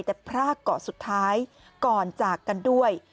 แต่พรากเกาะสุดท้ายก่อนจากกันด้วย